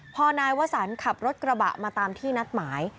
พอนายวสันขับรถกระบะมาตามที่นัดหมาย